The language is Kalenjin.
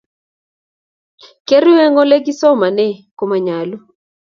Keru eng ole kisomane komanyalu